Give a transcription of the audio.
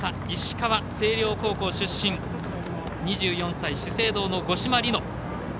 石川星稜高校出身２４歳、資生堂の五島莉乃。